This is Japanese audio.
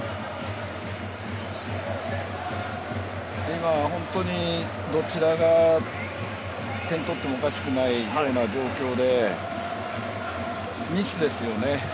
今、どちらが点を取ってもおかしくないような状況でミスですよね。